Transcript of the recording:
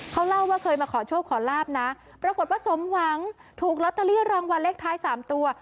เขาเล่าว่าเคยมาขอโชคขอลาบนะปรากฏว่าสมหวังถูกลอตเตอรี่รางวัลเลขท้าย๓ตัว